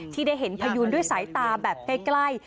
ที่ได้เห็นพยูนด้วยสายตาแบบใกล้